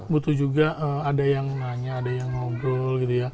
butuh juga ada yang nanya ada yang ngobrol